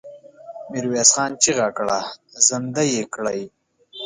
ميرويس خان چيغه کړه! زندۍ يې کړئ!